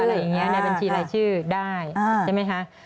อะไรอย่างนี้ในบัญชีรายชื่อได้ใช่ไหมคะ